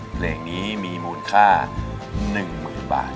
เพลงนี้มีมูลค่า๑๐๐๐บาท